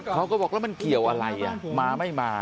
เขาก็บอกแล้วมันเกี่ยวอะไรมาไม่มา